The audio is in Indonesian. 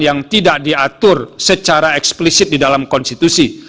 yang tidak diatur secara eksplisit di dalam konstitusi